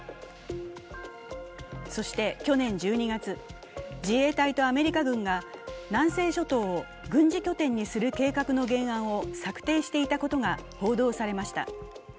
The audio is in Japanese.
そして去年１２月、自衛隊とアメリカ軍が南西諸島を軍事拠点にする計画の原案を策定していたことが報道されました。